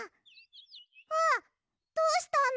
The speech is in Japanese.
わっどうしたの？